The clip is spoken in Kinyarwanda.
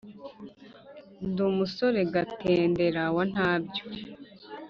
Ndi umusore Gatendera wa ntabyo,